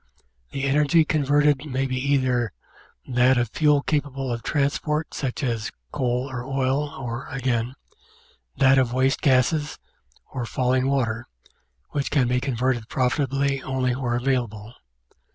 The energy converted may be either that of fuel capable of transport such as coal or oil or, again, that of waste gases or falling water, which can be converted profitably only where avail able.